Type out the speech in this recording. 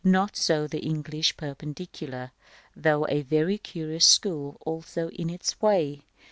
Not so the English Perpendicular, though a very curious school also in its way.